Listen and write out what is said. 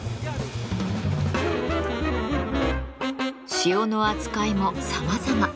塩の扱いもさまざま。